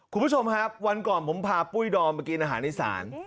คุณผู้ชมครับวันก่อนผมพาปุ้ยดอมมากินอาหารอีสาน